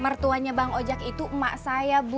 mertuanya bang ojek itu emak saya bu